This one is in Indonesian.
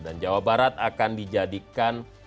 dan jawa barat akan dijadikan